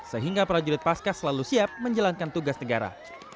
sehingga prajurit paskas selalu siap menjalankan tugas negara